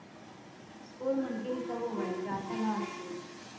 سپور ملګري ته وویل راځه لاړ شو.